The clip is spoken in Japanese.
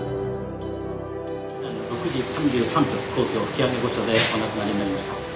「６時３３分皇居吹上御所でお亡くなりになりました」。